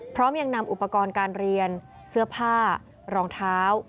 พร้อมยังนำอุปกรณ์การเรียนเสื้อผ้ารองเท้า